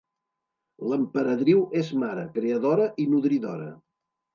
L'Emperadriu és mare, creadora i nodridora.